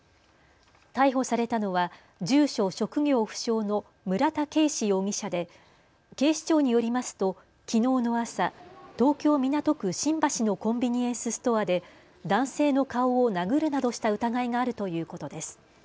逮捕されたのは住所・職業不詳の村田圭司容疑者で警視庁によりますときのうの朝、東京港区新橋のコンビニエンスストアで男性の顔を殴るなどした疑いがあるということです。